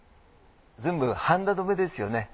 全部はんだどめですよね。